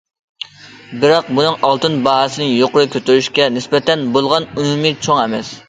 بىراق بۇنىڭ ئالتۇن باھاسىنى يۇقىرى كۆتۈرۈشكە نىسبەتەن بولغان ئۈنۈمى چوڭ ئەمەس.